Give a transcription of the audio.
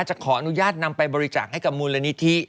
จะขออนุญาตนำไปบริจาคให้กับมูลนิธิ